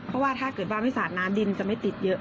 เพราะว่าถ้าเกิดว่าไม่สาดน้ำดินจะไม่ติดเยอะ